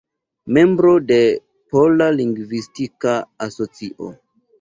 Membro de Pola Lingvistika Asocio.